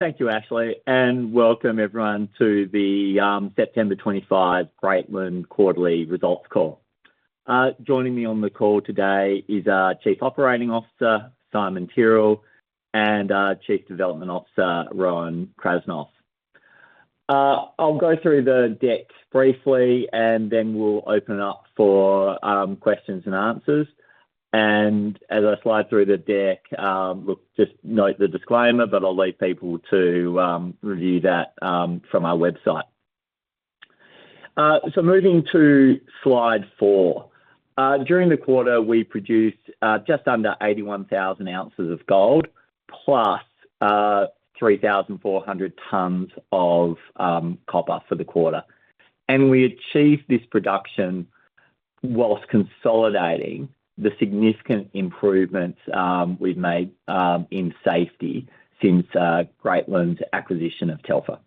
Thank you, Ashley, and welcome everyone to the September 25 Brighton quarterly results call. Joining me on the call today is our chief operating officer, Simon Tyrrell, and chief development officer, Rowan Krasnoff. I'll go through the deck briefly, and then we'll open up for questions and answers. And as I slide through the deck, look, just note the disclaimer, but I'll leave people to review that from our website. So moving to slide four. During the quarter, we produced just under 81,000 ounces of gold plus, 3,400 tons of, copper for the quarter. And we achieved this production whilst consolidating the significant improvements, we've made, in safety since Greatland's acquisition of Telfer.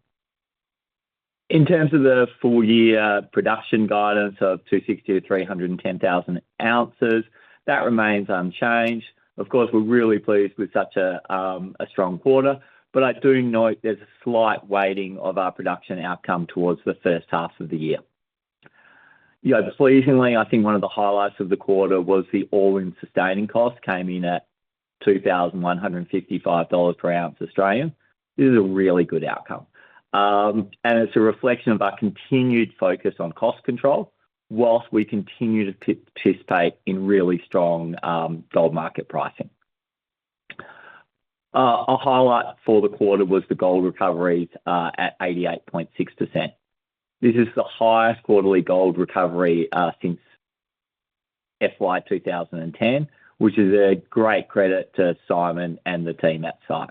In terms of the full year production guidance of two sixty to 310,000 ounces, that remains unchanged. Of course, we're really pleased with such a strong quarter, but I do note there's a slight weighting of our production outcome towards the first half of the year. Yeah. Pleasingly, I think one of the highlights of the quarter was the all in sustaining cost came in at $2,155 per ounce Australian. This is a really good outcome. And it's a reflection of our continued focus on cost control whilst we continue to participate in really strong gold market pricing. A highlight for the quarter was the gold recoveries at 88.6%. This is the highest quarterly gold recovery since FY 2010, which is a great credit to Simon and the team at site.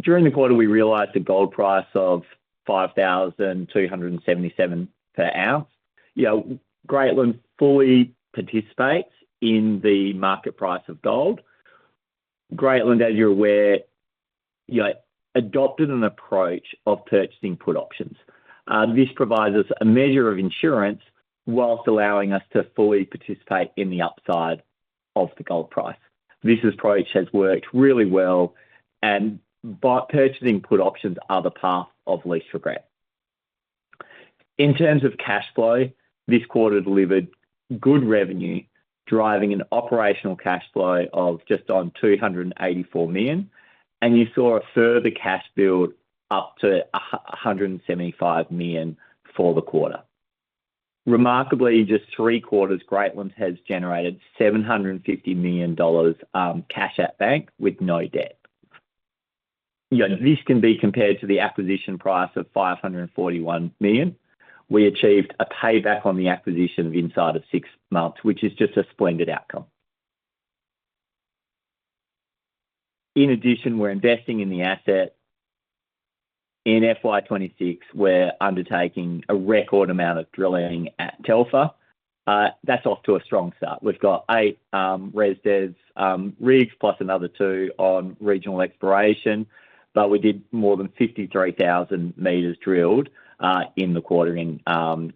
During the quarter, we realized a gold price of 5,277 per ounce. Yeah. Greatland fully participates in the market price of gold. Greatland, as you're aware, you know, adopted an approach of purchasing put options. This provides us a measure of insurance whilst allowing us to fully participate in the upside of the gold price. This approach has worked really well, and purchasing put options are the path of least regret. In terms of cash flow, this quarter delivered good revenue, driving an operational cash flow of just on $284,000,000 and you saw a further cash build up to 175,000,000 for the quarter. Remarkably, just three quarters, Greatlands has generated $750,000,000, cash at bank with no debt. Yeah. This can be compared to the acquisition price of 541,000,000. We achieved a payback on the acquisition inside of six months, which is just a splendid outcome. In addition, we're investing in the asset. In FY '26, we're undertaking a record amount of drilling at Telfer. That's off to a strong start. We've got eight, RESDES, rigs plus another two on regional exploration, but we did more than 53,000 meters drilled, in the quartering,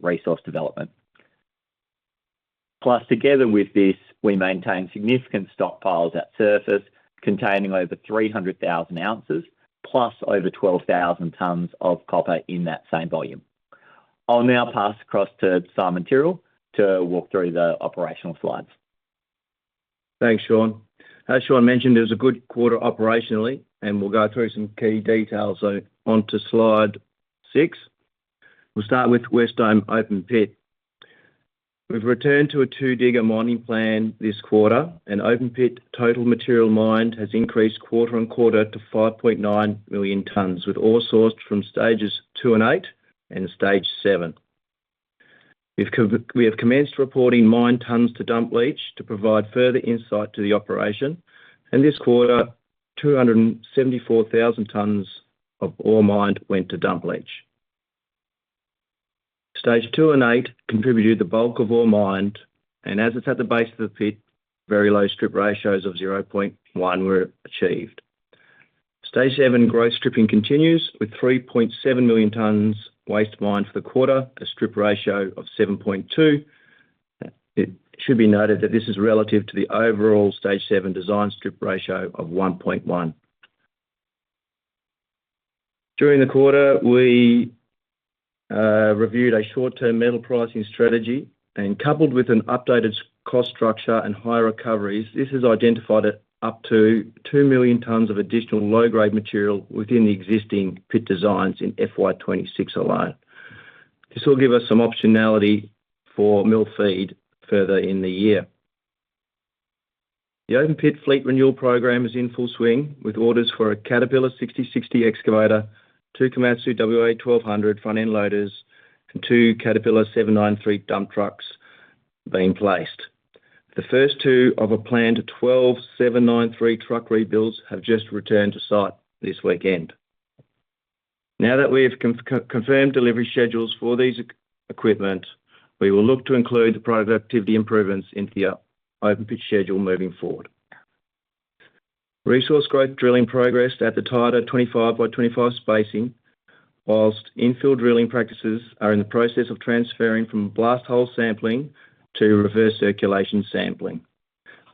resource development. Plus together with this, we maintain significant stockpiles at surface containing over 300,000 ounces plus over 12,000 tonnes of copper in that same volume. I'll now pass across to Simon Tyrrell to walk through the operational slides. Thanks, Sean. As Sean mentioned, it was a good quarter operationally, and we'll go through some key details. So on to Slide six. We'll start with West Dome Open pit. We've returned to a two digger mining plan this quarter, and open pit total material mined has increased quarter on quarter to 5,900,000 tonnes with ore sourced from stages two and eight and stage seven. We have commenced reporting mined tonnes to dump leach to provide further insight to the operation. And this quarter, 274,000 tonnes of ore mined went to dump leach. Stage two and eight contributed the bulk of ore mined. And as it's at the base of the pit, very low strip ratios of 0.1 were achieved. Stage seven gross stripping continues with 3,700,000 tonnes waste mined for the quarter, a strip ratio of 7.2. It should be noted that this is relative to the overall Stage seven design strip ratio of 1.1. During the quarter, we reviewed a short term metal pricing strategy and coupled with an updated cost structure and higher recoveries, this has identified up to 2,000,000 tonnes of additional low grade material within the existing pit designs in FY 'twenty six alone. This will give us some optionality for mill feed further in the year. The open pit fleet renewal program is in full swing with orders for a Caterpillar sixty sixty excavator, two Komatsu WA 1,200 front end loaders and two Caterpillar seven nine three dump trucks being placed. The first two of a planned twelve seven nine three truck rebuilds have just returned to site this weekend. Now that we have confirmed delivery schedules for these equipment, we will look to include the productivity improvements into the open pit schedule moving forward. Resource grade drilling progressed at the tighter 25 by 25 spacing, whilst infill drilling practices are in the process of transferring from blast hole sampling to reverse circulation sampling.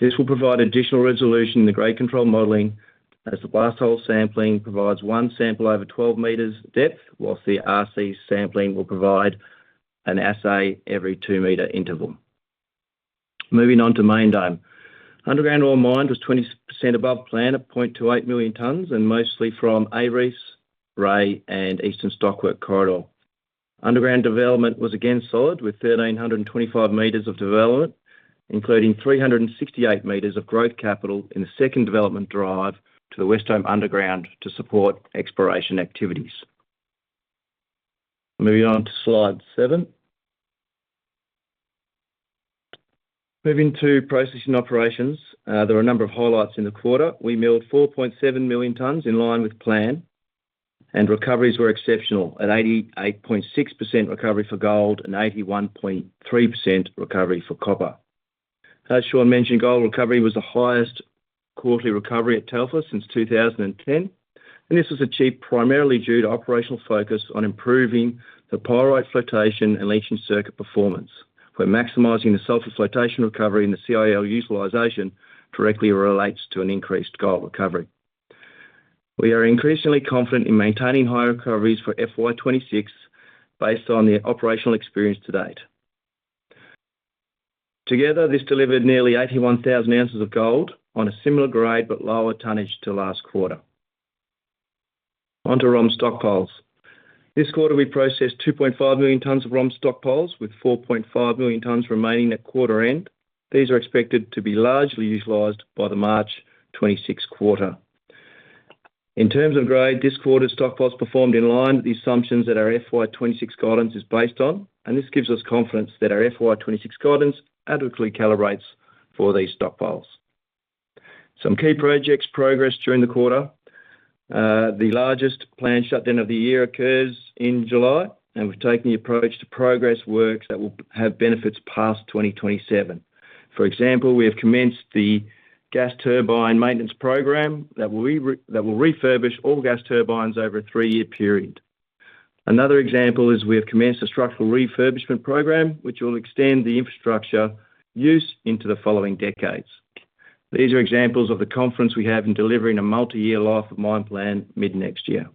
This will provide additional resolution in the grade control modeling as the blast hole sampling provides one sample over 12 meters depth whilst the RC sampling will provide an assay every two meter interval. Moving on to Main Dome. Underground ore mined was 20% above plan at point two eight million tonnes and mostly from Aerese, Ray and Eastern Stockwork Corridor. Underground development was again solid with 1,325 meters of development, including 368 meters of growth capital in the second development drive to the West Home underground to support exploration activities. Moving on to Slide seven. Moving to processing operations. There are a number of highlights in the quarter. We milled 4,700,000 tonnes in line with plan, and recoveries were exceptional at 88.6% recovery for gold and 81.3% recovery for copper. As Sean mentioned, gold recovery was the highest quarterly recovery at Telfer since 02/2010, and this was achieved primarily due to operational focus on improving the pyrite flotation and leaching circuit performance. Where maximizing the sulfur flotation recovery in the CIL utilization directly relates to an increased gold recovery. We are increasingly confident in maintaining high recoveries for FY '26 based on the operational experience to date. Together, this delivered nearly 81,000 ounces of gold on a similar grade but lower tonnage to last quarter. Onto ROM stockpiles. This quarter, we processed two two point five million tonnes of ROM stockpiles with 4,500,000 tonnes remaining at quarter end. These are expected to be largely utilized by the March 26 quarter. In terms of grade, this quarter's stockpiles performed in line with the assumptions that our FY 'twenty six guidance is based on, and this gives us confidence that our FY 'twenty six guidance adequately calibrates for these stockpiles. Some key projects progress during the quarter. The largest planned shutdown of the year occurs in July, and we've taken the approach to progress works that will have benefits past 2027. For example, we have commenced the gas turbine maintenance program that will that will refurbish all gas turbines over a three year period. Another example is we have commenced a structural refurbishment program, which will extend the infrastructure use into the following decades. These are examples of the conference we have in delivering a multiyear life of mine plan mid next year.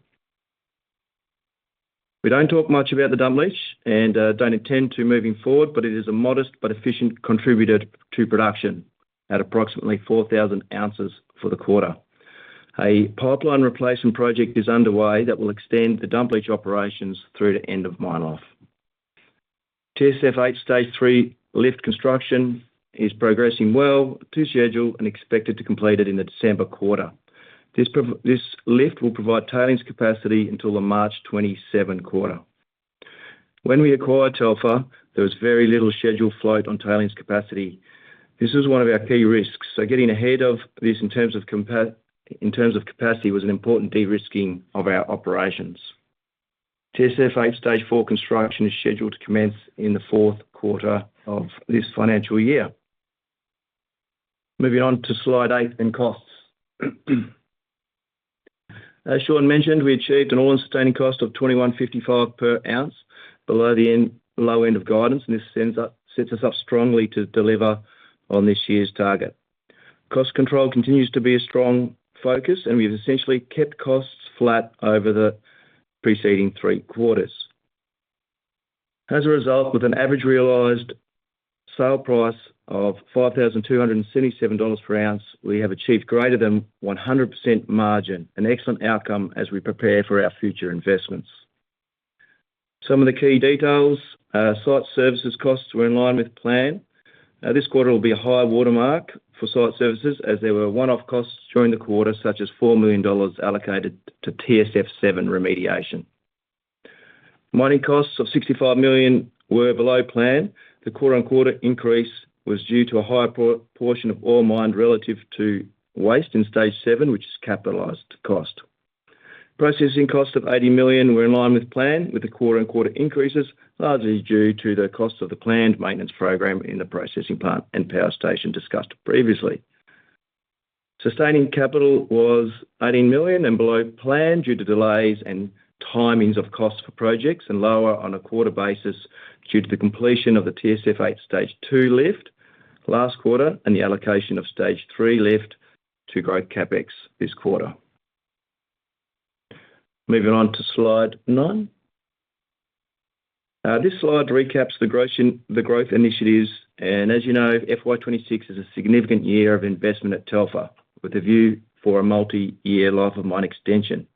We don't talk much about the Dumbleach and don't intend to moving forward, but it is a modest but efficient contributor to production at approximately 4,000 ounces for the quarter. A pipeline replacement project is underway that will extend the dump leach operations through the end of mine life. TSF eight Stage three lift construction is progressing well to schedule and expected to complete it in the December. This this lift will provide tailings capacity until the March. When we acquired Telfer, there was very little scheduled float on tailings capacity. This is one of our key risks. So getting ahead of this in terms of capacity was an important derisking of our operations. TSF-eight Stage 4 construction is scheduled to commence in the fourth quarter of this financial year. Moving on to Slide eight and costs. As Sean mentioned, we achieved an all in sustaining cost of $21.55 per ounce below the low end of guidance, and this sets us up strongly to deliver on this year's target. Cost control continues to be a strong focus, and we've essentially kept costs flat over the preceding three quarters. As a result, with an average realized sale price of $5,277 per ounce, we have achieved greater than 100% margin, an excellent outcome as we prepare for our future investments. Some of the key details, site services costs were in line with plan. This quarter will be a high watermark for site services as there were one off costs during the quarter such as $4,000,000 allocated to TSF seven remediation. Mining costs of $65,000,000 were below plan. The quarter on quarter increase was due to a higher portion of ore mined relative to waste in Stage seven, which is capitalized cost. Processing cost of $80,000,000 were in line with plan with the quarter on quarter increases, largely due to the cost of the planned maintenance program in processing plant and power station discussed previously. Sustaining capital was $18,000,000 and below plan due to delays and timings of costs for projects and lower on a quarter basis due to the completion of the TSF eight Stage two lift last quarter and the allocation of Stage three lift to grow CapEx this quarter. Moving on to Slide nine. This slide recaps the growth initiatives. And as you know, FY twenty six is a significant year of investment at Telfer with a view for a multiyear life of mine extension.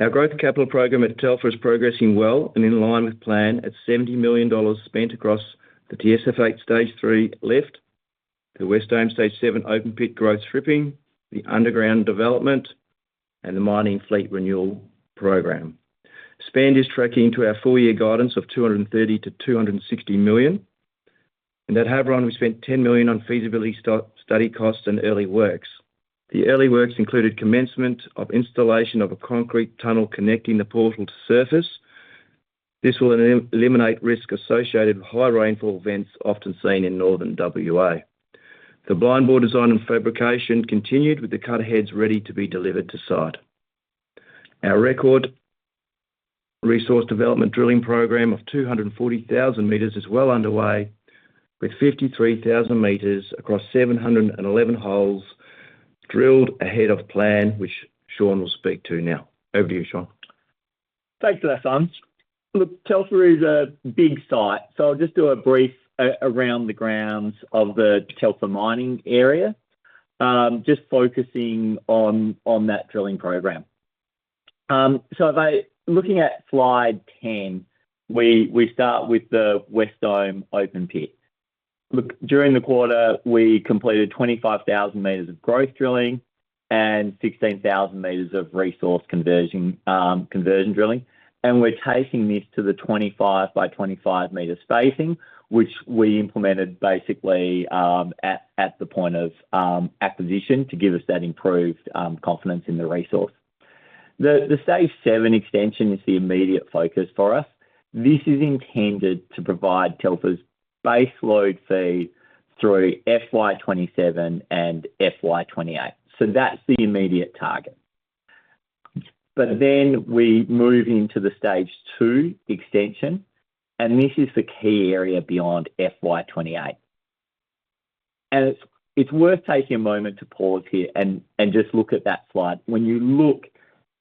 Our growth capital program at Telfer is progressing well and in line with plan at $70,000,000 spent across the TSF eight Stage three lift, the West Dome Stage seven open pit growth stripping, the underground development, and the mining fleet renewal program. Spend is tracking to our full year guidance of 230,000,000 to 260,000,000. And at Habron, we spent 10,000,000 on feasibility study cost and early works. The early works included commencement of installation of a concrete tunnel connecting the portal to surface. This will eliminate risk associated with high rainfall events often seen in Northern WA. The blind bore design and fabrication continued with the cut heads ready to be delivered to site. Our record resource development drilling program of 240,000 meters is well underway with 53,000 meters across 711 holes drilled ahead of plan, which Sean will speak to now. Over to you, Sean. Thanks a lot, Hans. Look. Telfer is a big site, so I'll just do a brief around the grounds of the Telfer mining area, just focusing on on that drilling program. So if I looking at slide 10, we we start with the West Dome Open Pit. Look. During the quarter, we completed 25,000 meters of growth drilling and 16,000 meters of resource conversion conversion drilling, and we're taking this to the 25 by 25 meter spacing, which we implemented basically, at at the point of, acquisition to give us that improved, confidence in the resource. The the stage seven extension is the immediate focus for us. This is intended to provide Telfer's base load fee through FY '27 and FY '28. So that's the immediate target. But then we move into the stage two extension, and this is the key area beyond FY '28. And it's it's worth taking a moment to pause here and and just look at that slide. When you look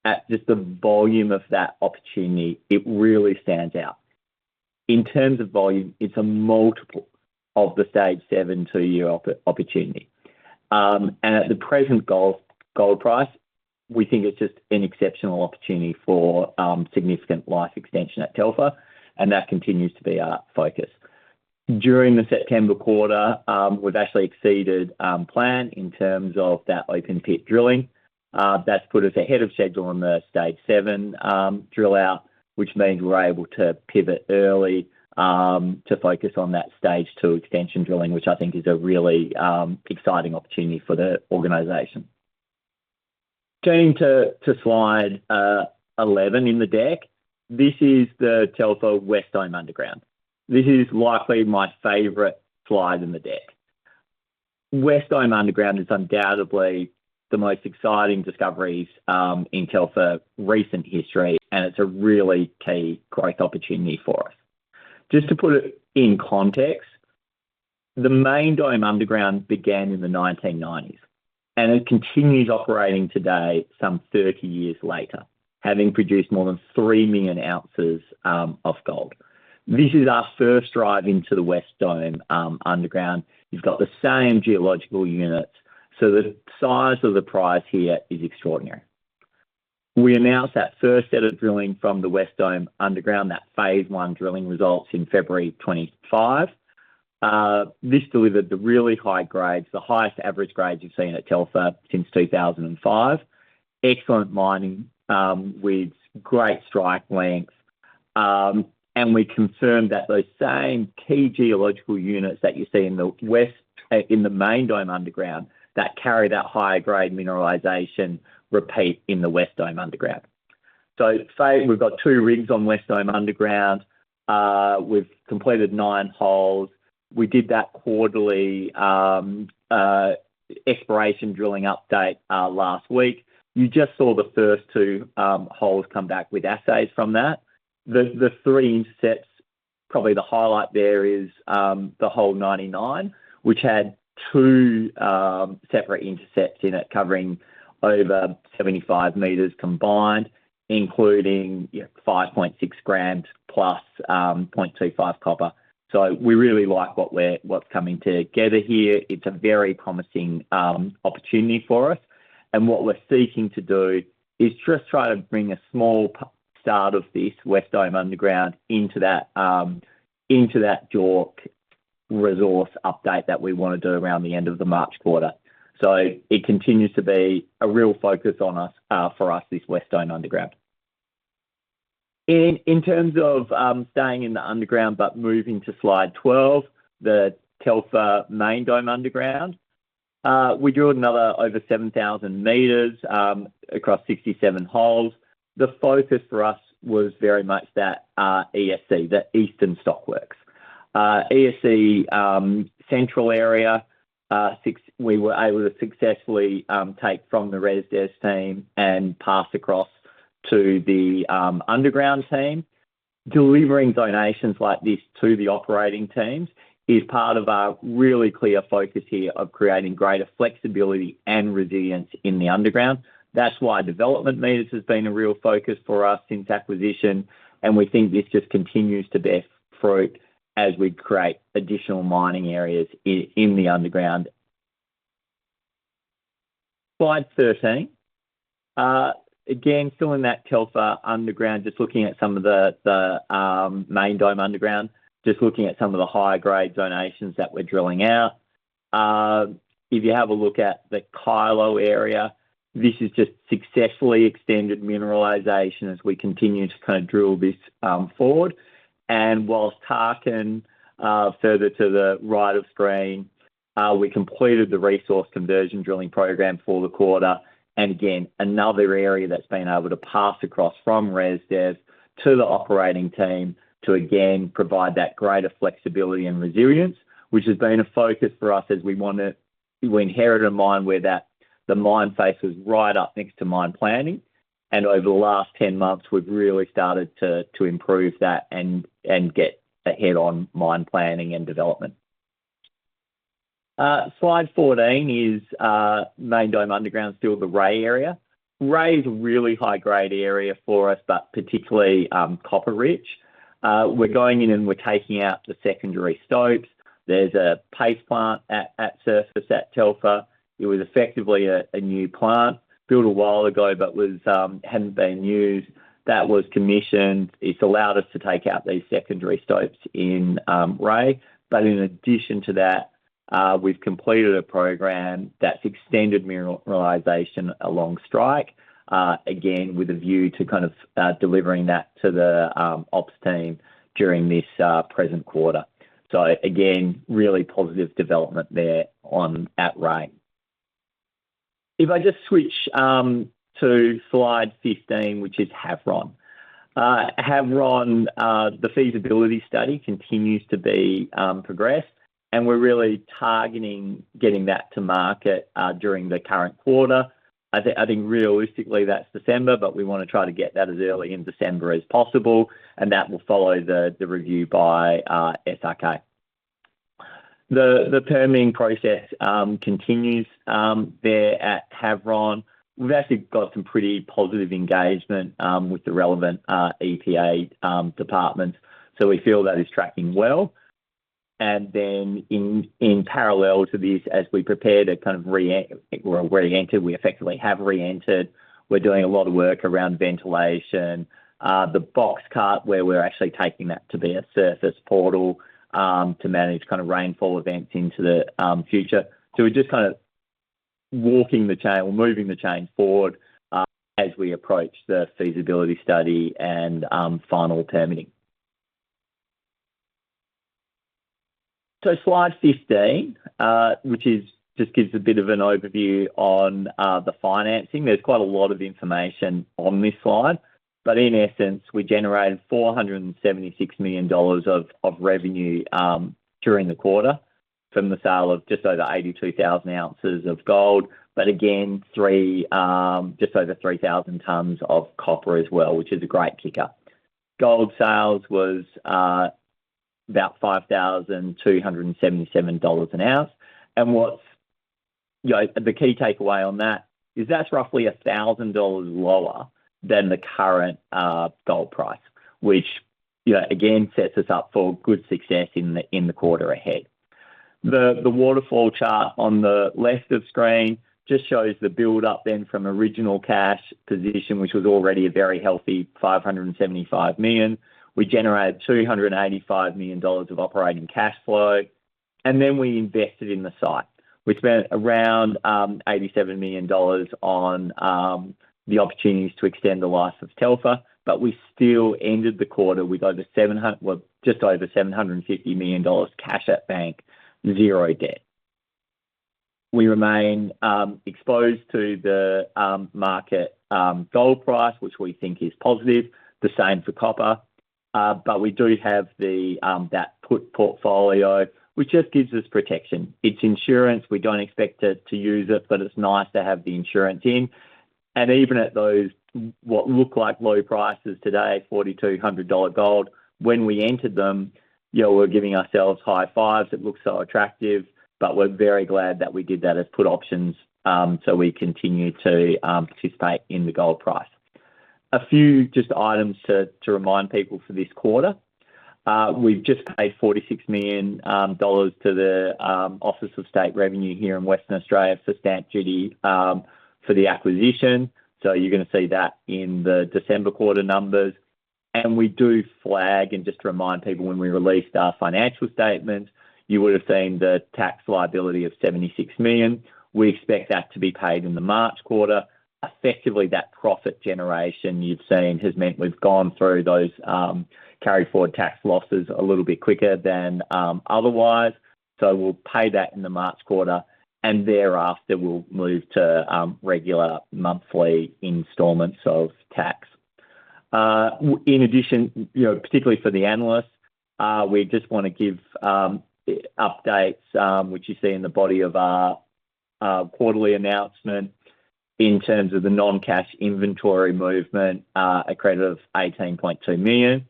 at just the volume of that opportunity, it really stands out. In terms of volume, it's a multiple of the stage seven to a year opportunity. And at the present gold gold price, we think it's just an exceptional opportunity for, significant life extension at Telfer, and that continues to be our focus. During the September, we've actually exceeded, plan in terms of that open pit drilling. That's put us ahead of schedule on the stage seven, drill out, which means we're able to pivot early to focus on that stage two extension drilling, which I think is a really exciting opportunity for the organization. Turning to to slide 11 in the deck. This is the Telfer West Dome Underground. This is likely my favorite slide in the deck. West Dome Underground is undoubtedly the most exciting discoveries in Telfer's recent history, and it's a really key growth opportunity for us. Just to put it in context, the main dome underground began in the nineteen nineties, and it continues operating today some thirty years later, having produced more than 3,000,000 ounces, of gold. This is our first drive into the West Dome, underground. You've got the same geological units, so the size of the price here is extraordinary. We announced that first set of drilling from the West Dome underground, that phase one drilling results in February 25. This delivered the really high grades, the highest average grades you've seen at Telfer since 02/2005. Excellent mining with great strike length. And we confirmed that those same key geological units that you see in the West in the main dome underground that carried out higher grade mineralization repeat in the West Dome Underground. So say we've got two rigs on West Dome Underground. We've completed nine holes. We did that quarterly exploration drilling update last week. You just saw the first two holes come back with assays from that. The the three intercepts, probably the highlight there is the Hole 99, which had two, separate intercepts in it covering over 75 meters combined, including, yeah, 5.6 grams plus, point two five copper. So we really like what we're what's coming together here. It's a very promising opportunity for us. And what we're seeking to do is just try to bring a small start of this West Dome underground into that into that York resource update that we wanna do around the end of the March. So it continues to be a real focus on us, for us, this West Dome underground. In in terms of, staying in the underground but moving to slide 12, the Telfer Main Dome underground, we drilled another over 7,000 meters, across 67 holes. The focus for us was very much that, ESC, the Eastern Stockworks. ESC, central area, six we were able to successfully, take from the ResDes team and pass across to the, underground team. Delivering donations like this to the operating teams is part of our really clear focus here of creating greater flexibility and resilience in the underground. That's why development meters has been a real focus for us since acquisition, and we think this just continues to bear fruit as we create additional mining areas in the underground. Slide 13. Again, still in that Kelva Underground, just looking at some of the main dome underground, just looking at some of the higher grade donations that we're drilling out. If you have a look at the Kilo area, this is just successfully extended mineralization as we continue to kinda drill this forward. And whilst Tarkin further to the right of screen, we completed the resource conversion drilling program for the quarter. And, again, another area that's been able to pass across from ResDev to the operating team to again provide that greater flexibility and resilience, which has been a focus for us as we wanna we inherited a mine where that the mine faces right up next to mine planning. And over the last ten months, we've really started to to improve that and and get ahead on mine planning and development. Slide 14 is Main Dome Underground still, the Ray area. Ray is a really high grade area for us, but particularly copper rich. We're going in and we're taking out the secondary stopes. There's a paste plant at at surface at Telfer. It was effectively a a new plant built a while ago, but was hadn't been used. That was commissioned. It's allowed us to take out these secondary stopes in Ray. But in addition to that, we've completed a program that's extended mineralization along strike, again, with a view to kind of delivering that to the ops team during this present quarter. So, again, really positive development there on at RAIN. If I just switch to slide 15, which is HAVRON. HAVRON, the feasibility study continues to be progressed, and we're really targeting getting that to market during the current quarter. I think I think realistically, that's December, but we wanna try to get that as early in December as possible, and that will follow the the review by SRK. The the permitting process continues there at Tavron. We've actually got some pretty positive engagement with the relevant EPA department, so we feel that is tracking well. And then in in parallel to this, as we prepare to kind of re we're already entered. We effectively have reentered. We're doing a lot of work around ventilation. The box cut where we're actually taking that to be a surface portal to manage kind of rainfall events into the future. So we're just kinda walking the chain or moving the chain forward as we approach the feasibility study and final permitting. So Slide 15, which just gives a bit of an overview on the financing. There's quite a lot of information on this slide. But in essence, we generated $476,000,000 of revenue during the quarter from the sale of just over 82,000 ounces of gold. But, again, three just over 3,000 tons of copper as well, which is a great kicker. Gold sales was about $5,277 an ounce. And what's yeah. The key takeaway on that is that's roughly a thousand dollars lower than the current gold price, which, yeah, again sets us up for good success in the quarter ahead. The waterfall chart on the left of screen just shows the buildup then from original cash position, which was already a very healthy $575,000,000. We generated $385,000,000 of operating cash flow, and then we invested in the site. We spent around $87,000,000 on the opportunities to extend the life of Telfer, but we still ended the quarter with over 700 well, just over $750,000,000 cash at bank, zero debt. We remain exposed to the market gold price, which we think is positive, the same for copper, but we do have the that portfolio, which just gives us protection. It's insurance. We don't expect it to use it, but it's nice to have the insurance in. And even at those what look like low price is today, $4,200 gold, when we entered them, you know, we're giving ourselves high fives. It looks so attractive, but we're very glad that we did that as put options, so we continue to, participate in the gold price. A few just items to to remind people for this quarter. We've just paid $46,000,000 to the, Office of State Revenue here in Western Australia for stamp duty for the acquisition. So you're gonna see that in the December numbers. And we do flag and just to remind people when we released our financial statement, you would have seen the tax liability of 76,000,000. We expect that to be paid in the March. Effectively, that profit generation you've seen has meant we've gone through those carry forward tax losses a little bit quicker than otherwise. So we'll pay that in the March, and thereafter, we'll move to regular monthly installments of tax. In addition, particularly for the analysts, we just want to give updates, which you see in the body of our quarterly announcement in terms of the noncash inventory movement, a credit of 18,200,000.0.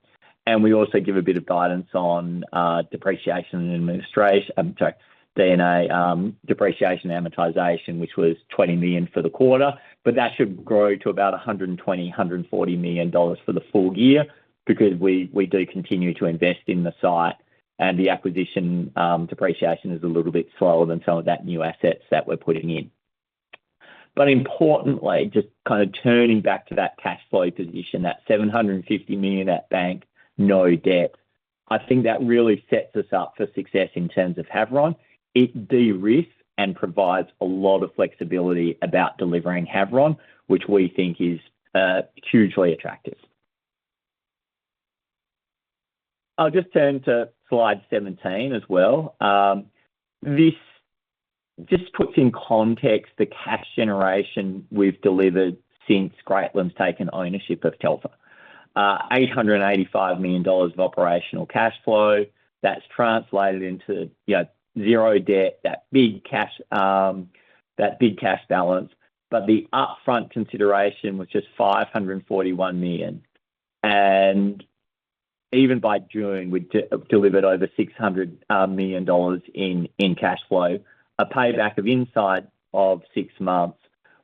And we also give a bit of guidance on, depreciation and D and A, depreciation and amortization, which was $20,000,000 for the quarter. But that should grow to about 120,000,000 $140,000,000 for the full year because we do continue to invest in the site, and the acquisition, depreciation is a little bit slower than some of that new assets that we're putting in. But importantly, just kind of turning back to that cash flow position, that 750,000,000 at bank, no debt. I think that really sets us up for success in terms of Havron. It derisks and provides a lot of flexibility about delivering Havron, which we think is hugely attractive. I'll just turn to slide 17 as well. This just puts in context the cash generation we've delivered since Greatland's taken ownership of Telfer. $885,000,000 of operational cash flow that's translated into, you know, zero debt, that big cash that big cash balance, but the upfront consideration was just 541,000,000. And even by June, we delivered over $600,000,000 in in cash flow. A payback of insight of six months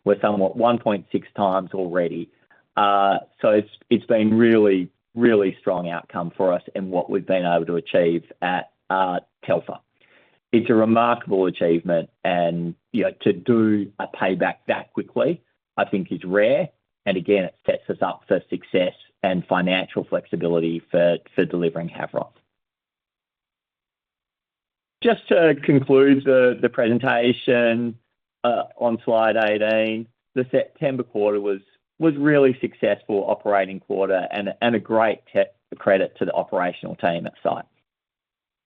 was somewhat 1.6 times already. So it's it's been really, really strong outcome for us in what we've been able to achieve at, Telfa. It's a remarkable achievement, and, yeah, to do a payback that quickly, I think, is rare. And, again, it sets us up for success and financial flexibility for for delivering HAVROF. Just to conclude the presentation on Slide 18, the September was really successful operating quarter and a great credit to the operational team at site.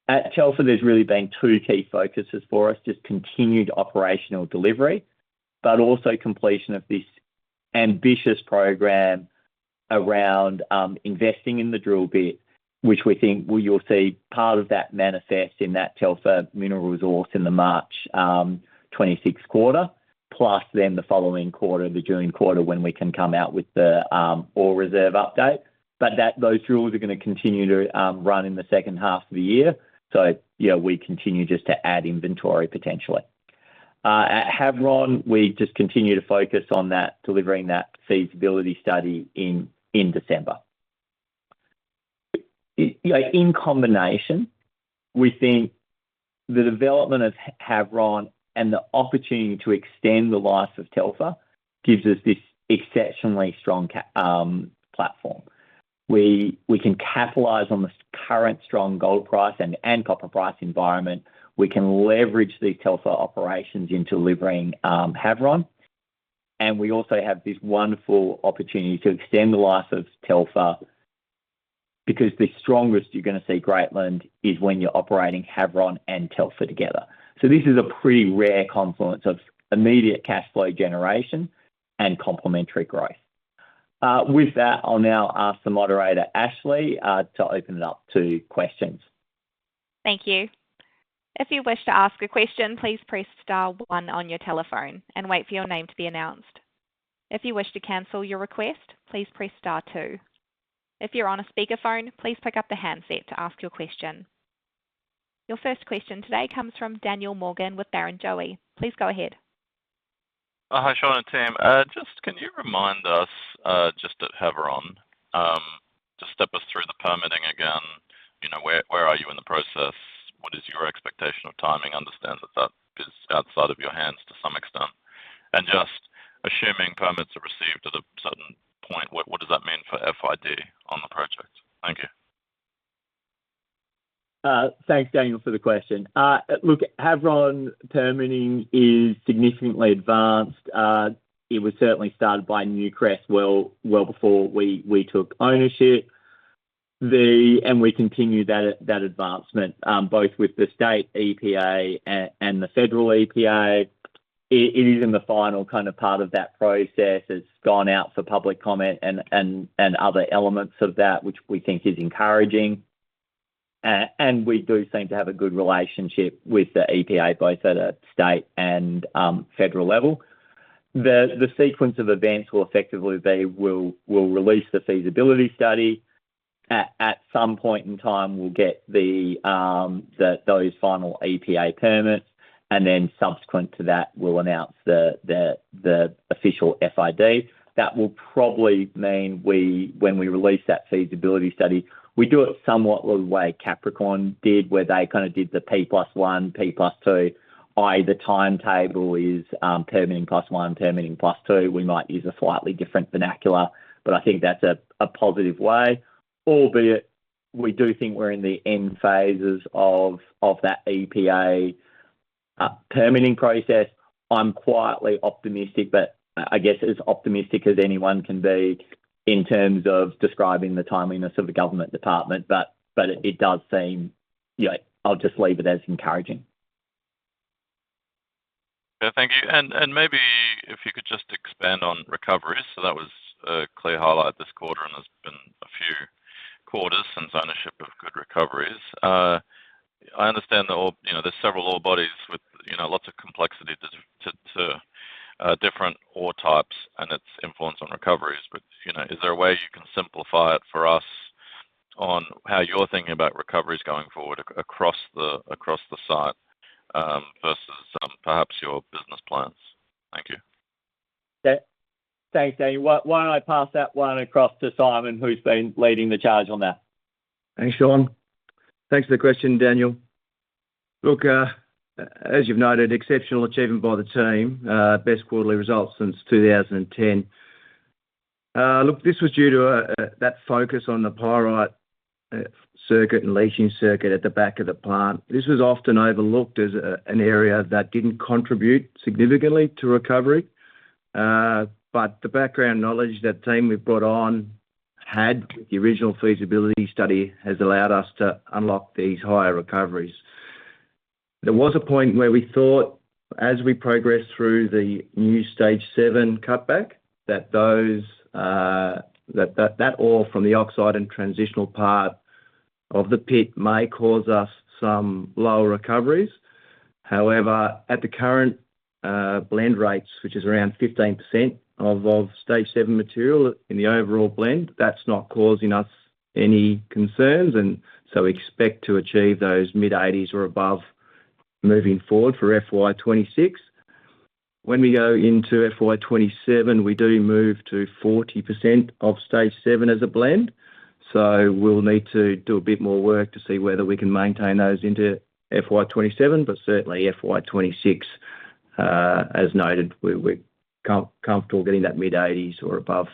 At Cheltenham, there's really been two key focuses for us, just continued operational delivery but also completion of this ambitious program around investing in the drill bit, which we think where you'll see part of that manifest in that Telfer mineral resource in the March, plus then the following quarter, the June when we can come out with the, ore reserve update. But that those rules are gonna continue to, run-in the second half of the year. So, yeah, we continue just to add inventory potentially. At Havron, we just continue to focus on that delivering that feasibility study in in December. In combination, we think the development of HAVRON and the opportunity to extend the life of Telfa gives us this exceptionally strong platform. We we can capitalize on this current strong gold price and and copper price environment. We can leverage the Telfa operations in delivering, Havron. And we also have this wonderful opportunity to extend the life of Telfa because the strongest you're gonna see Greatland is when you're operating Havron and Telfa together. So this is a pretty rare confluence of immediate cash flow generation and complementary growth. With that, I'll now ask the moderator, Ashley, to open it up to questions. Thank you. Your first question today comes from Daniel Morgan with Baron Joey. Go ahead. Hi, Sean and team. Just can you remind us, at Haveron, just step us through the permitting again? Where are you in the process? What is your expectation of timing? Understand that, that is outside of your hands to some extent. And just assuming permits are received at a certain point, what does that mean for FID on the project? Thanks, Daniel, for the question. Look. Havron terminalling is significantly advanced. It was certainly started by Newcrest well well before we we took ownership. The and we continue that that advancement, both with the state EPA and the federal EPA. It it is in the final kind of part of that process. It's gone out for public comment and and and other elements of that, which we think is encouraging. And we do seem to have a good relationship with the EPA both at a state and federal level. The the sequence of events will effectively be we'll we'll release the feasibility study. At at some point in time, we'll get the the those final EPA permits. And then subsequent to that, we'll announce the the the official FID. That will probably mean we when we release that feasibility study, we do it somewhat the way Capricorn did where they kinda did the p plus one, p plus two. I. E. The timetable is, permitting plus one, permitting plus two. We might use a slightly different vernacular, but I think that's a a positive way. Albeit, we do think we're in the end phases of of that EPA permitting process. I'm quietly optimistic, but I guess as optimistic as anyone can be in terms of describing the timeliness of the government department. But it does seem, yeah, I'll just leave it as encouraging. Yeah. Thank you. And maybe if you could just expand on recoveries. So that was a clear highlight this quarter, and there's been a few quarters since ownership of good recoveries. I understand there are several ore bodies with lots of complexity to different ore types and its influence on recoveries. But, you know, is there a way you can simplify it for us on how you're thinking about recoveries going forward across the across the site versus perhaps your business plans? Thank you. Thanks, Daniel. Why don't I pass that one across to Simon who's been leading the charge on that? Thanks, Sean. Thanks for the question, Daniel. Look. As you've noted, exceptional achievement by the team, best quarterly result since 02/2010. Look. This was due to that focus on the pyrite circuit and leaching circuit at the back of the plant. This was often overlooked as an area that didn't contribute significantly to recovery, But the background knowledge that team we've brought on had the original feasibility study has allowed us to unlock these higher recoveries. There was a point where we thought as we progress through the new stage seven cutback that those, that that that ore from the oxide and transitional part of the pit may cause us some lower recoveries. However, at the current, blend rates, which is around 15% of stage seven material in the overall blend, that's not causing us any concerns. And so we expect to achieve those mid eighties or above moving forward for FY '26. When we go into FY '27, we do move to 40% of stage seven as a blend. So we'll need to do a bit more work to see whether we can maintain those into FY 'twenty seven, but certainly FY 'twenty six, as noted, we're getting that mid-80s or above.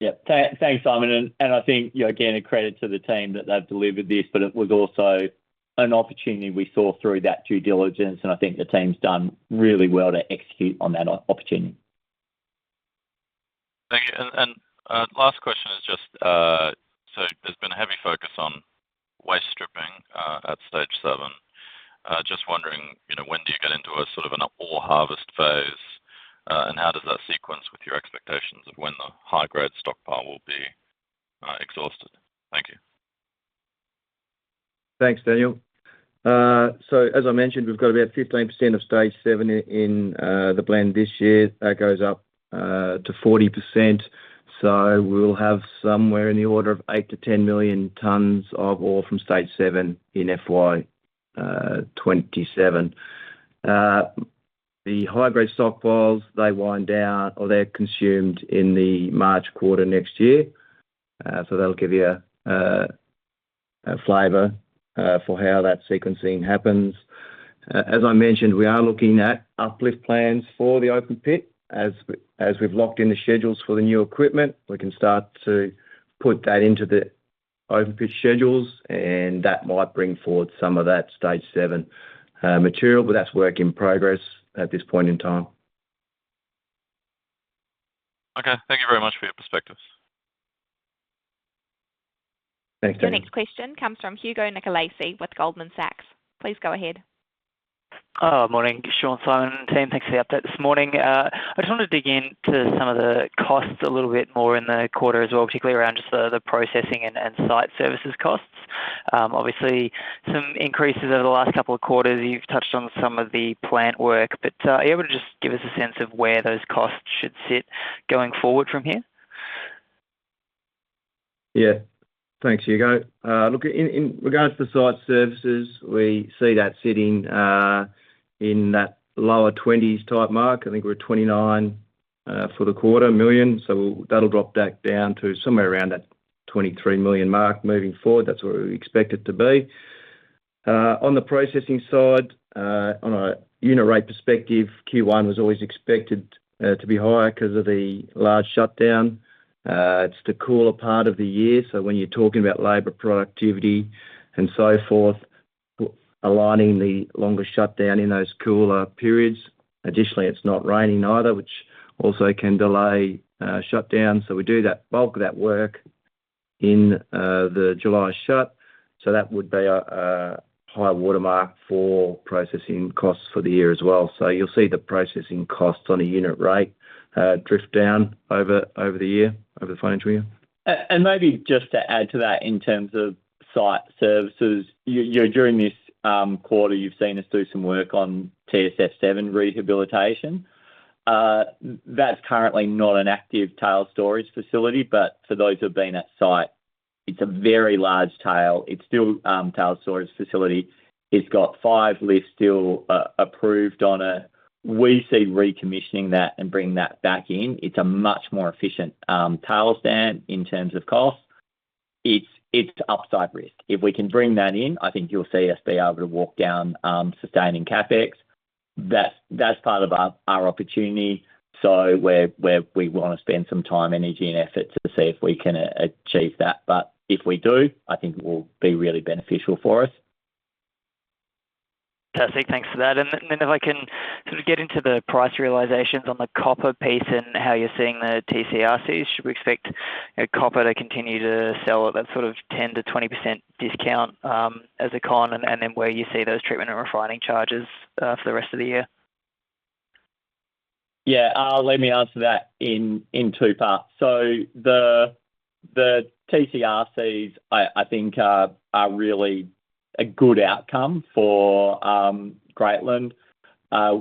Yep. Thanks, Simon. And I think, again, a credit to the team that they've delivered this, but it was also an opportunity we saw through that due diligence, and I think the team's done really well to execute on that opportunity. Thank you. And and, last question is just, so there's been a heavy focus on waste stripping at Stage seven. Just wondering when do you get into a sort of an ore harvest phase? And how does that sequence with your expectations of when the high grade stockpile will be exhausted? Thanks, Daniel. So as I mentioned, we've got about 15% of Stage seven in the blend this year. That goes up to 40%. So we'll have somewhere in the order of 8,000,000 to 10,000,000 tonnes of ore from Stage seven in FY '27. The hybrid stockpiles, they wind down or they're consumed in the March next year. So that'll give you a flavor, for how that sequencing happens. As I mentioned, we are looking at uplift plans for the open pit. As as we've locked in the schedules for the new equipment, we can start to put that into the open pit schedules, and that might bring forward some of that Stage seven material. But that's work in progress at this point in time. Thank you very much for your perspectives. David. Your next question comes from Hugo Nicolese with Goldman Sachs. Please go ahead. Morning. Sean, Simon and team, thanks for the update this morning. I just want to dig into some of the costs a little bit more in the quarter as well, particularly around just the processing and site services costs. Obviously, some increases over the last couple of quarters. You've touched on some of the plant work. But are you able to just give us a sense of where those costs should sit going forward from here? Yes. Thanks, Hugo. Look, in regards to site services, we see that sitting in that lower 20s type mark. I think we're at 29,000,000 for the quarter million. So that will drop back down to somewhere around that $23,000,000 mark moving forward. That's where we expect it to be. On the processing side, on a unit rate perspective, Q1 was always expected to be higher because of the large shutdown. It's the cooler part of the year. So when you're talking about labor productivity and so forth, aligning the longer shutdown in those cooler periods. Additionally, it's not raining either, which also can delay, shutdown. So we do that bulk of that work in, the July shut. So that would be a high watermark for processing costs for the year as well. So you'll see the processing costs on a unit rate drift down over the year, over the financial year. And maybe just to add to that in terms of site services, during this quarter, you've seen us do some work on TSF seven rehabilitation. That's currently not an active tail storage facility. But for those who've been at site, it's a very large tail. It's still tail storage facility. It's got five lifts still approved on a We see recommissioning that and bringing that back in. It's a much more efficient, tail stand in terms of cost. It's it's the upside risk. If we can bring that in, I think you'll see us be able to walk down, sustaining CapEx. That's that's part of our our opportunity. So we're we're we wanna spend some time, energy, and effort to see if we can achieve that. But if we do, I think it will be really beneficial for us. Perfect. Thanks for that. And then and then if I can sort of get into the price realizations on the copper piece and how you're seeing the TCRCs, should we expect copper to continue to sell at that sort of 10 to 20% discount as a con and and then where you see those treatment and refining charges for the rest of the year? Yeah. Let me answer that in in two parts. So the the TCRCs, I I think, are are really a good outcome for, Greatland. Yeah.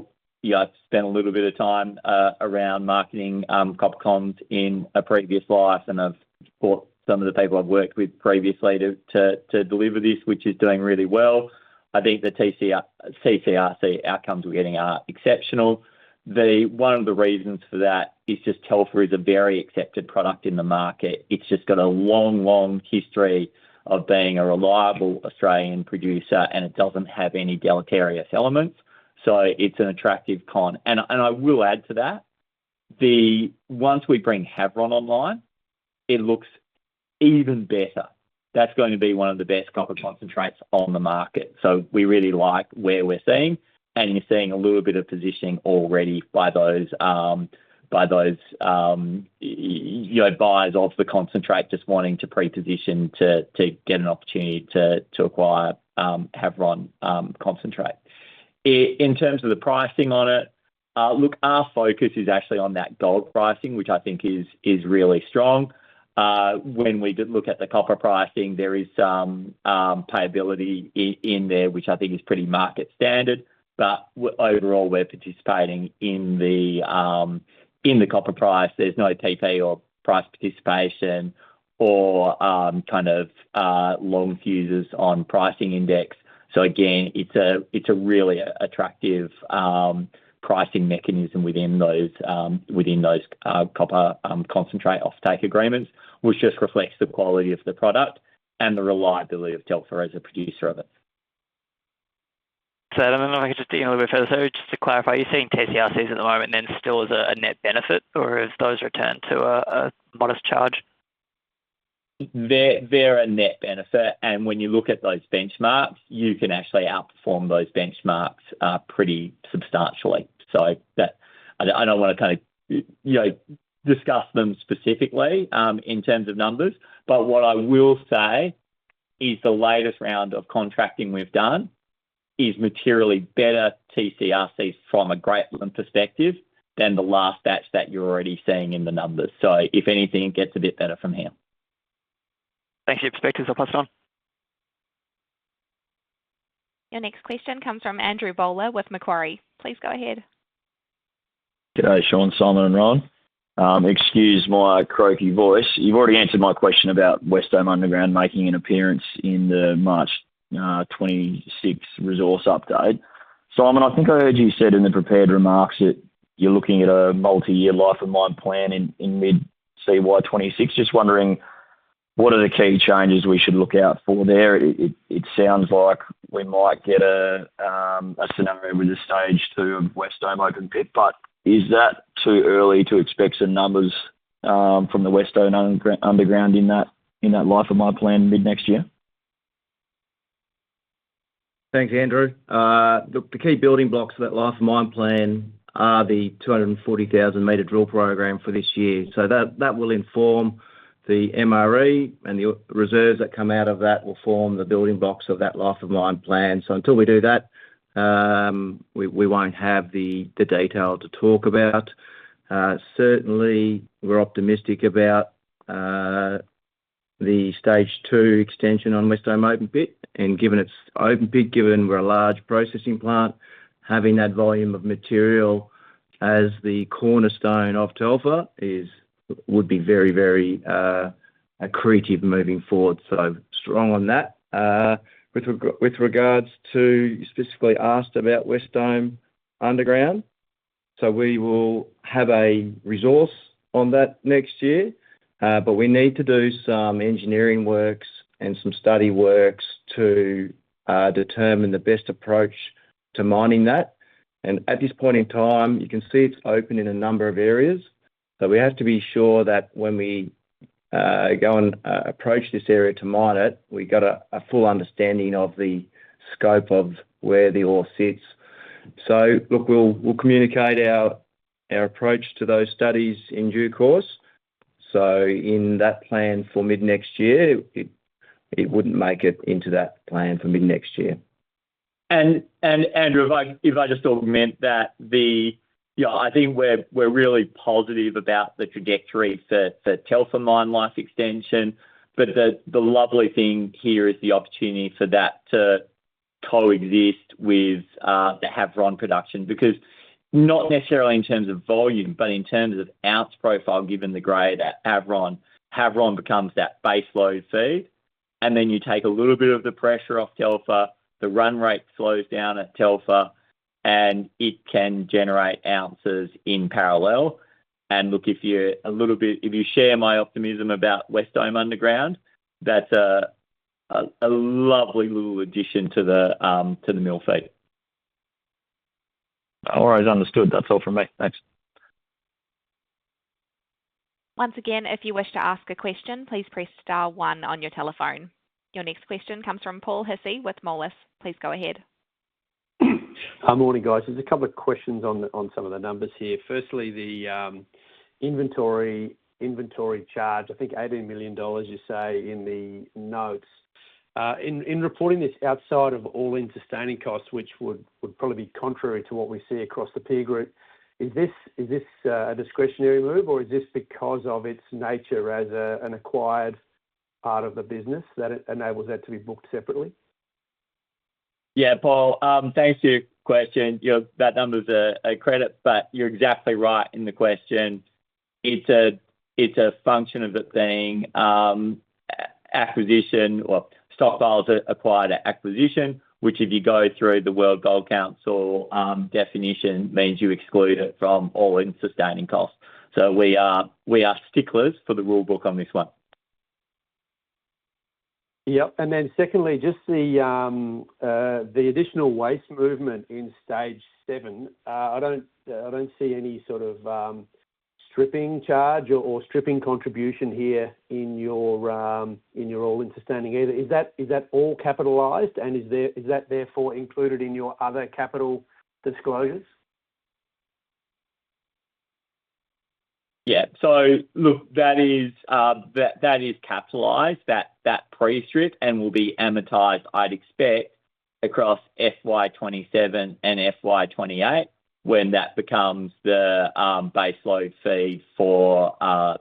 I've spent a little bit of time, around marketing, COPCOMs in a previous life, and I've bought some of the people I've worked with previously to to to deliver this, which is doing really well. I think the t c r CCRC outcomes we're getting are exceptional. The one of the reasons for that is just Telfer is a very accepted product in the market. It's just got a long, long history of being a reliable Australian producer, and it doesn't have any deleterious elements. So it's an attractive con. And and I will add to that. The once we bring Hevron online, it looks even better. That's going to be one of the best copper concentrates on the market. So we really like where we're seeing, and you're seeing a little bit of positioning already by those by those, you know, buyers of the concentrate just wanting to preposition to to get an opportunity to to acquire, Hefron, Concentrate. In terms of the pricing on it, look, our focus is actually on that gold pricing, which I think is is really strong. When we did look at the copper pricing, there is some, payability in there, which I think is pretty market standard. But overall, we're participating in the, in the copper price. There's no TP or price participation or, kind of, long fuses on pricing index. So, again, it's a it's a really attractive pricing mechanism within those, within those, copper, concentrate offtake agreements, which just reflects the quality of the product and the reliability of Telfer as a producer of it. So I don't know if I could just dig in a little bit further. So just to clarify, are you seeing TCRCs at the moment then still as a a net benefit, or is those returned to a a modest charge? They're they're a net benefit. And when you look at those benchmarks, you can actually outperform those benchmarks pretty substantially. So that I don't I don't wanna kinda, you know, discuss them specifically in terms of numbers, but what I will say is the latest round of contracting we've done is materially better TCRCs from a great perspective than the last batch that you're already seeing in the numbers. So if anything, it gets a bit better from here. Thank you. Expectors are passed on. Your next question comes from Andrew Bowler with Macquarie. Please go ahead. Good day, Sean, Simon and Ron. Excuse my croaky voice. You've already answered my question about West Elm Underground making an appearance in the March 26 resource update. Simon, I think I heard you said in the prepared remarks that you're looking at a multiyear life of mine plan in in mid CY twenty six. Just wondering what are the key changes we should look out for there. It it sounds like we might get a, a scenario with the stage two of West Dome open pit, but is that too early to expect some numbers, from the West Dome underground in that in that life of mine plan mid next year? Thanks, Andrew. The key building blocks of that life of mine plan are the 240,000 meter drill program for this year. So that will inform the MRE, and the reserves that come out of that will form the building blocks of that life of mine plan. So until we do that, we we won't have the the detail to talk about. Certainly, we're optimistic about the stage two extension on West Elm Open Pit. And given it's open pit, given we're a large processing plant, having that volume of material as the cornerstone of Telfer is would be very, very accretive moving forward. So strong on that. With with regards to you specifically asked about West Dome underground. So we will have a resource on that next year, but we need to do some engineering works and some study works to determine the best approach to mining that. And at this point in time, you can see it's open in a number of areas, So we have to be sure that when we, go and approach this area to mine it, we got a a full understanding of the scope of where the ore sits. So, look, we'll we'll communicate our our approach to those studies in due course. So in that plan for mid next year, it it wouldn't make it into that plan for mid next year. And and, Andrew, if I if I just augment that, the, yeah, I think we're we're really positive about the trajectory for for Telfer mine life extension, but the the lovely thing here is the opportunity for that to coexist with the Havron production because not necessarily in terms of volume, but in terms of ounce profile given the grade at Havron. Havron becomes that base load feed, and then you take a little bit of the pressure off Telfa, the run rate slows down at Telfa, and it can generate ounces in parallel. And look. If you're a little bit if you share my optimism about West Dome underground, that's a a a lovely little addition to the to the mill feed. Alright. Understood. That's all from me. Thanks. Your next question comes from Paul Hissy with Mollis. Please go ahead. Hi. Morning, guys. Just a couple of questions on on some of the numbers here. Firstly, the inventory inventory charge, I think, 18,000,000 you say in the notes. In in reporting this outside of all in sustaining costs, which would probably be contrary to what we see across the peer group, is this is this a discretionary move, or is this because of its nature as an acquired part of the business that it enables that to be booked separately? Yeah, Paul. Thanks for your question. You know, that number's a a credit, but you're exactly right in the question. It's a it's a function of the thing, acquisition or stockpiles acquired at acquisition, which if you go through the World Gold Council definition means you exclude it from all in sustaining costs. So we are we are sticklers for the rule book on this one. Yep. And then secondly, just the, the additional waste movement in stage seven, I don't, I don't see any sort of stripping charge or stripping contribution here in your in your all in in sustaining, is that is that all capitalized? And is there is that therefore included in your other capital disclosures? Yeah. So, look, that is that that is capitalized, that that pre strip, and will be amortized, I'd expect, across FY '27 and FY '28 when that becomes the base load fee for for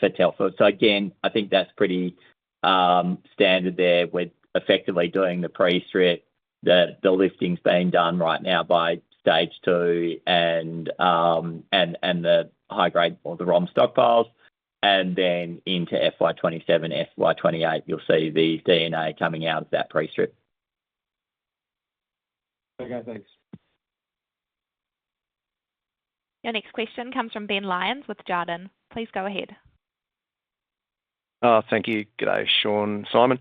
for Telford. So, again, I think that's pretty standard there with effectively doing the pre strip that the lifting's being done right now by stage two and and and the high grade or the ROM stockpiles. And then into FY '27, FY '28, you'll see the DNA coming out of that prestrip. Okay. Thanks. Your next question comes from Ben Lyons with Jarden. Please go ahead. Thank you. Good day, Sean, Simon.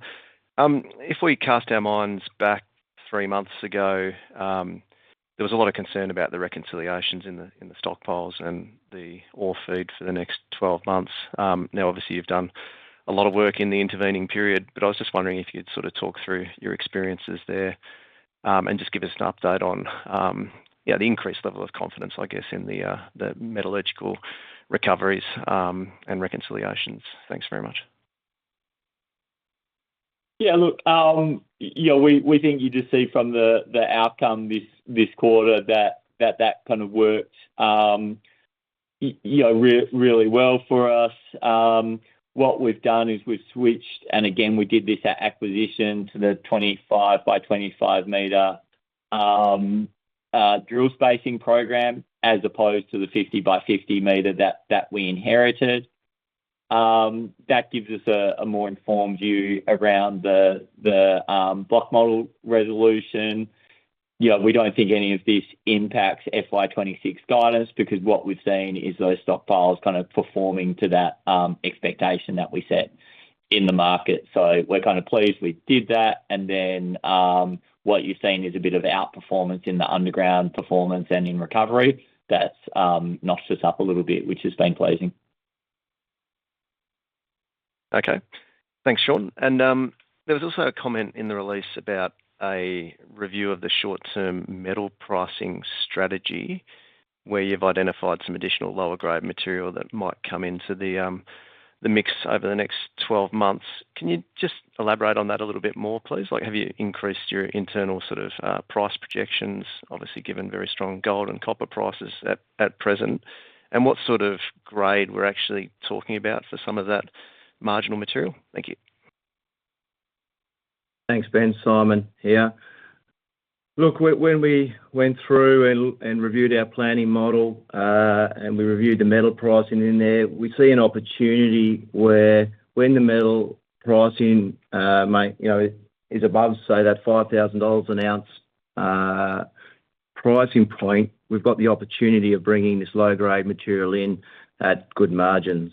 If we cast our minds back three months ago, there was a lot of concern about the reconciliations in the in the stockpiles and the ore feed for the next twelve months. Now, obviously, you've done a lot of work in the intervening period, but I was just wondering if you'd sort of talk through your experiences there and just give us an update on, yeah, the increased level of confidence, I guess, in the the metallurgical recoveries and reconciliations. Thanks very much. Yeah. Look. You know, we we think you just see from the the outcome this this quarter that that that kind of worked, you know, really well for us. What we've done is we've switched and, again, we did this acquisition to the 25 by 25 meter drill spacing program as opposed to the 50 by 50 meter that that we inherited. That gives us a a more informed view around the the, block model resolution. Yeah. We don't think any of these impacts FY '26 guidance because what we've seen is those stockpiles kind of performing to that, expectation that we set in the market. So we're kind of pleased we did that. And then, what you're seeing is a bit of outperformance in the underground performance and in recovery that's, knocked us up a little bit, which has been pleasing. Okay. Thanks, Shaun. And, there was also a comment in the release about a review of the short term metal pricing strategy where you've identified some additional lower grade material that might come into the the mix over the next twelve months. Can you just elaborate on that a little bit more, please? Like, have you increased your internal sort of price projections, obviously, very strong gold and copper prices at at present? And what sort of grade we're actually talking about for some of that marginal material? Thank you. Thanks, Ben. Simon here. Look. When we went through and reviewed our planning model, and we reviewed the metal pricing in there, we see an opportunity where when the metal pricing, might you know, is above, say, that $5,000 an ounce pricing point, we've got the opportunity of bringing this low grade material in at good margins.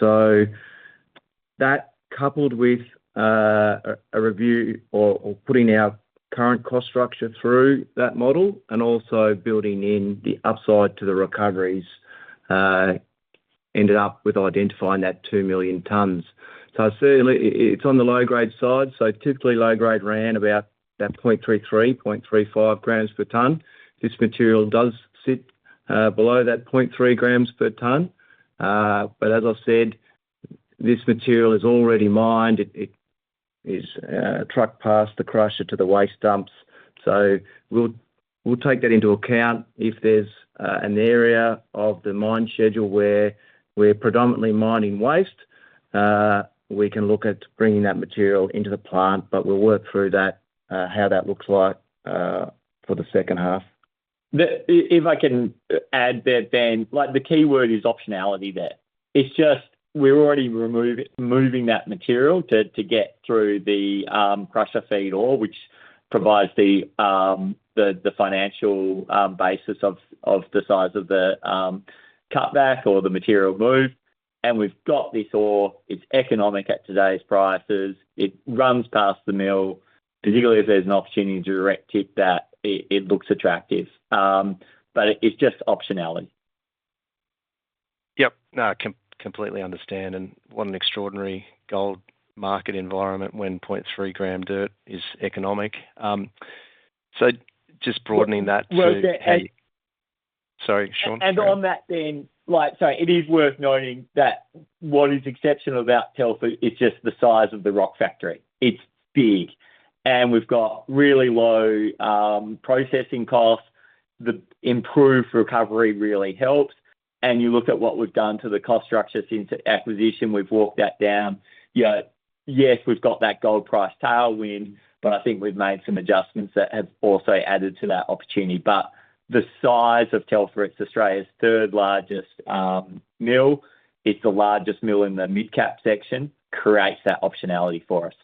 So that coupled with a review or or putting our current cost structure through that model and also building in the upside to the recoveries, ended up with identifying that 2,000,000 tonnes. So I see it's on the low grade side. So typically, grade ran about that point three three, point three five grams per tonne. This material does sit, below that point three grams per tonne. But as I've said, this material is already mined. It it is a truck pass to crusher to the waste dumps. So we'll we'll take that into account. If there's an area of the mine schedule where we're predominantly mining waste, we can look at bringing that material into the plant, but we'll work through that, how that looks like for the second half. The if I can add there, Ben, like, the keyword is optionality there. It's just we're already remove moving that material to to get through the crusher feed ore, which provides the the the financial basis of of the size of the cutback or the material move. And we've got this ore. It's economic at today's prices. It runs past the mill, particularly if there's an opportunity to direct it that it it looks attractive. But it's just optionality. Yep. No. I completely understand. And what an extraordinary gold market environment when point three gram dirt is economic. So just broadening that to the sorry. Sean? And on that thing, like sorry. It is worth noting that what is exceptional about Telford is just the size of the rock factory. It's big, and we've got really low processing costs. The improved recovery really helps. And you look at what we've done to the cost structure since acquisition. We've walked that down. Yeah. Yes. We've got that gold price tailwind, but I think we've made some adjustments that have also added to that opportunity. But the size of Telfer, it's Australia's third largest mill, it's the largest mill in the mid cap section, creates that optionality for us.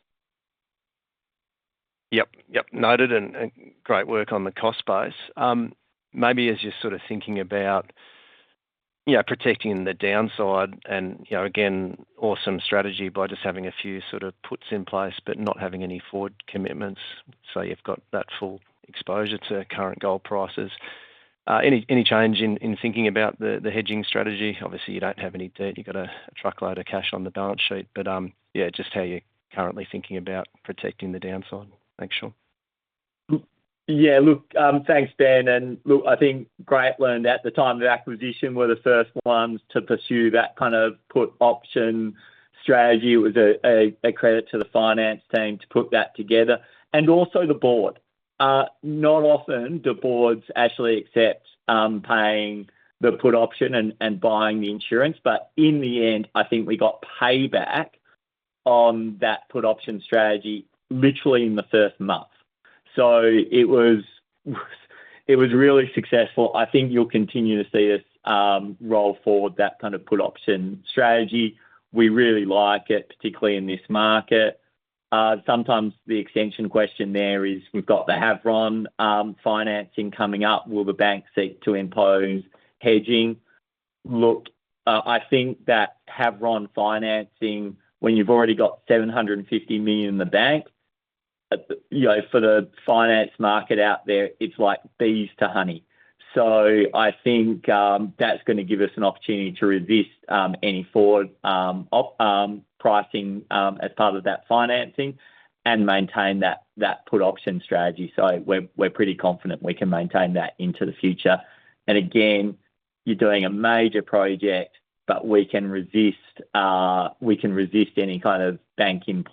Yep. Yep. Noted, and and great work on the cost base. Maybe as you're sort of thinking about, yeah, protecting the downside and, you know, again, awesome strategy by just having a few sort of puts in place, but not having any forward commitments. So you've got that full exposure to current gold prices. Any any change in in thinking about the the hedging strategy? Obviously, you don't have any debt. You got a truckload of cash on the balance sheet, but, yeah, just how you're currently thinking about protecting the downside. Thanks, Sean. Yeah. Look. Thanks, Ben. And, look, I think great learned at the time of acquisition were the first ones to pursue that kind of put option strategy. It was a a credit to the finance team to put that together. And also the board. Not often, the boards actually accept, paying the put option and and buying the insurance. But in the end, I think we got payback on that put option strategy literally in the first month. So it was it was really successful. I think you'll continue to see us roll forward that kind of put option strategy. We really like it, particularly in this market. Sometimes the extension question there is we've got the HAVRON financing coming up. Will the bank seek to impose hedging? Look. I think that HAVRON financing, when you've already got 750,000,000 in the bank, You know, for the finance market out there, it's like bees to honey. So I think, that's gonna give us an opportunity to resist, any forward pricing, as part of that financing and maintain that that put option strategy. So we're we're pretty confident we can maintain that into the future. And, again, you're doing a major project, but we can resist we can resist any kind of banking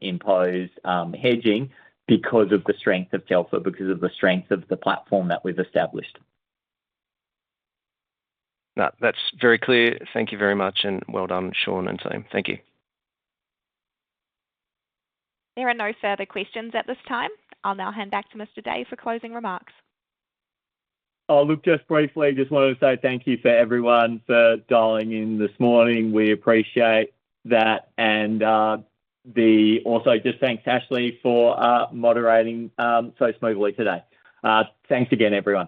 imposed hedging because of the strength of Telfer, because of the strength of the platform that we've established. No. That's very clear. Thank you very much, and well done, Sean and team. Thank you. There are no further questions at this time. I'll now hand back to Mr. Day for closing remarks. Look. Just briefly, I just wanted to say thank you for everyone for dialing in this morning. We appreciate that. And the also, just thanks Ashley for moderating so smoothly today. Thanks again, everyone.